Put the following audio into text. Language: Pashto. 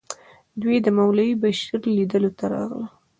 دوی د مولوي بشیر لیدلو ته راغلل.